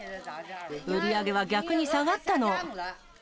売り上げは逆に下がったの。